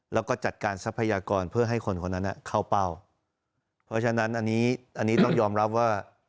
แล้วก็จัดการทรัพยากรเพื่อให้คนคนนั้นเข้าเป้าเพราะฉะนั้นอันนี้อันนี้ต้องยอมรับว่า